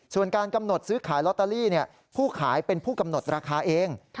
ส่วนการกำหนดซื้อขายลอตเตอรี่ผู้ขายเป็นผู้กำหนดราคาเอง